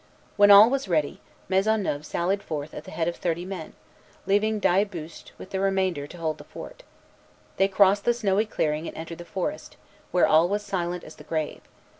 When all was ready, Maisonneuve sallied forth at the head of thirty men, leaving d'Ailleboust, with the remainder, to hold the fort. They crossed the snowy clearing and entered the forest, where all was silent as the grave.